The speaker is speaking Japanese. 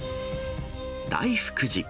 大福寺。